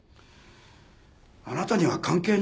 あなたには関係ない事です。